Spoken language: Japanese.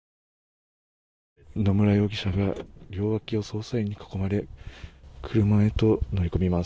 野村容疑者が両脇を捜査員に囲まれ車へと乗り込みます。